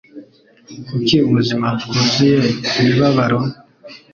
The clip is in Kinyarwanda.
Kuki ubuzima bwuzuye imibabaro?